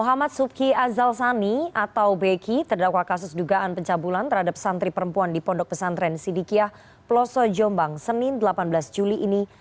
muhammad subki azal sani atau beki terdakwa kasus dugaan pencabulan terhadap santri perempuan di pondok pesantren sidikiah peloso jombang senin delapan belas juli ini